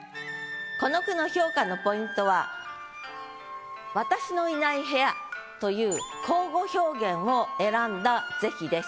この句の評価のポイントは「私のいない部屋」という口語表現を選んだ是非です。